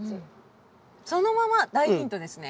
「そのまま」大ヒントですね。